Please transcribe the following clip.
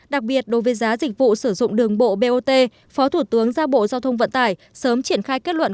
đặc biệt đối với giá dịch vụ sử dụng đường bộ bot phó thủ tướng ra bộ giao thông vận tải sớm triển khai kết luận